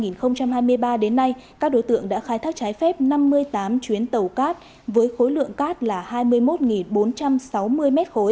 tới nay các đối tượng đã khai thác trái phép năm mươi tám chuyến tàu cát với khối lượng cát là hai mươi một bốn trăm sáu mươi m ba